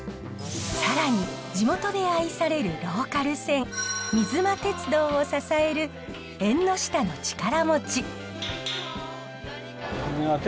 更に地元で愛されるローカル線水間鉄道を支える縁の下の力持ち。